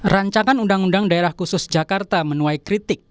rancangan undang undang daerah khusus jakarta menuai kritik